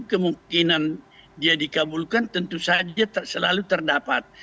kemungkinan dia dikabulkan tentu saja selalu terdapat